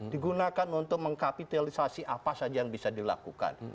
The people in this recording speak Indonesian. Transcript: digunakan untuk mengkapitalisasi apa saja yang bisa dilakukan